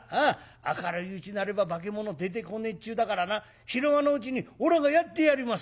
明るいうちならば化物出てこねえっちゅうだからな昼間のうちにおらがやってやりますだ」。